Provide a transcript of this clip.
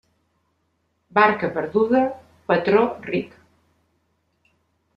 Barca perduda, patró ric.